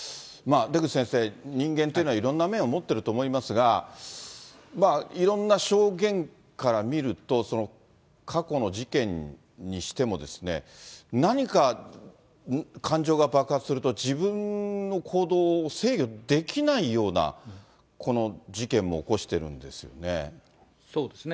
出口先生、人間というのはいろんな面を持ってると思いますが、いろんな証言から見ると、過去の事件にしても、何か感情が爆発すると、自分の行動を制御できないような、事件も起こしてるんですよね。